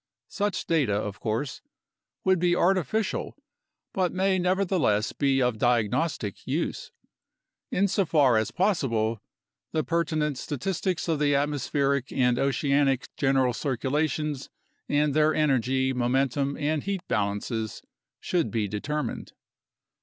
Such data, of course, would be artificial but may nevertheless be of diagnostic use. Insofar as possible, the pertinent statistics of the atmospheric and oceanic general circulations and their energy, mo mentum, and heat balances should be determined.